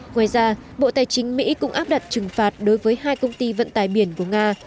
ngoài ra bộ tài chính mỹ cũng áp đặt trừng phạt đối với hai công ty vận tải biển của nga